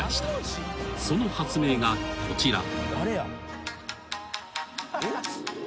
［その発明がこちら］